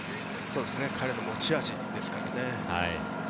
彼の持ち味ですからね。